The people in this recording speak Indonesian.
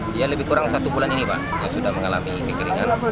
dia lebih kurang satu bulan ini pak yang sudah mengalami kekeringan